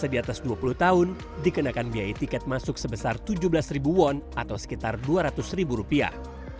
di atas dua puluh tahun dikenakan biaya tiket masuk sebesar tujuh belas ribu won atau sekitar dua ratus ribu rupiah